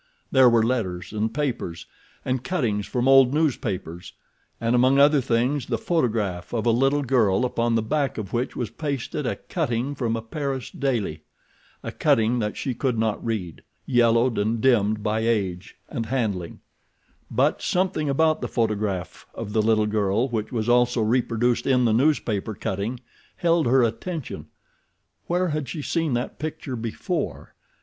There were letters and papers and cuttings from old newspapers, and among other things the photograph of a little girl upon the back of which was pasted a cutting from a Paris daily—a cutting that she could not read, yellowed and dimmed by age and handling—but something about the photograph of the little girl which was also reproduced in the newspaper cutting held her attention. Where had she seen that picture before?